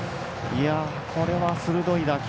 これは、鋭い打球。